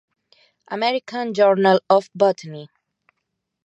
American Journal of Botany